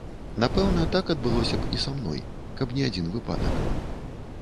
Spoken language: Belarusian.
Напэўна, так адбылося б і са мной, каб не адзін выпадак.